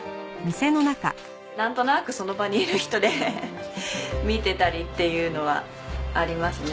なんとなくその場にいる人で見てたりっていうのはありますね。